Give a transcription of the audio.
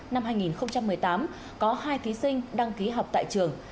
năm hai nghìn một mươi tám có hai thí sinh đăng ký học tại trường